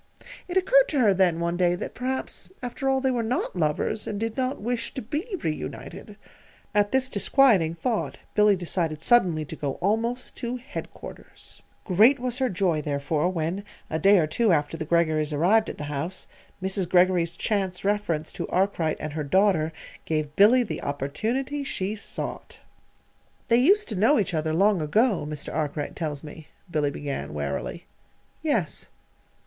It occurred to her then, one day, that perhaps, after all, they were not lovers, and did not wish to be reunited. At this disquieting thought Billy decided, suddenly, to go almost to headquarters. She would speak to Mrs. Greggory if ever the opportunity offered. Great was her joy, therefore, when, a day or two after the Greggorys arrived at the house, Mrs. Greggory's chance reference to Arkwright and her daughter gave Billy the opportunity she sought. "They used to know each other long ago, Mr. Arkwright tells me," Billy began warily. "Yes."